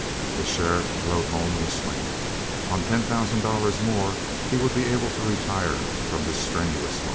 The sheriff rode home whistling. On ten thousand dollars more he would be able to retire from this strenuous life.